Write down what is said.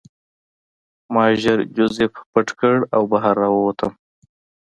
ما ژر جوزف پټ کړ او بهر راووتم